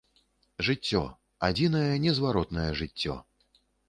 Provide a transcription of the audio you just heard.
Жыццё, адзінае незваротнае жыццё.